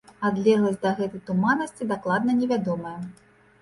Адлегласць да гэтай туманнасці дакладна не вядомая.